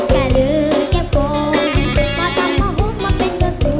กะลืมแค่โฟนพอทำหัวหุ้มมาเป็นเบอร์ตู